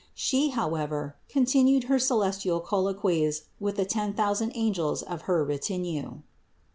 She, how ever, continued her celestial colloquies with the ten thousand angels of her retinue.